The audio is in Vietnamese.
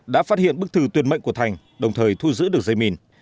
đã phát hiện bức thư tuyệt mệnh của thành đồng thời thu giữ được dây mìn